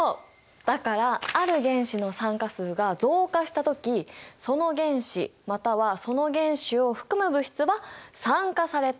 だからある原子の酸化数が増加した時その原子またはその原子を含む物質は酸化されたといい